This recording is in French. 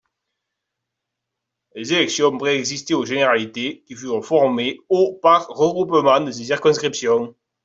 Les élections préexistaient aux généralités, qui furent formées au par regroupement de ces circonscriptions.